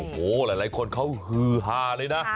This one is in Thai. โอ้โหหลายคนเขาฮือฮาเลยนะ